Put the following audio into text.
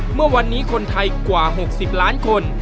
เมื่อวันนี้คนไทยกว่า๖๐ล้านคน